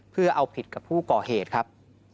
เพื่อเอาผิดกับผู้ก่อเหตุครับ